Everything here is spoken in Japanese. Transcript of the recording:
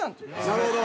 なるほど。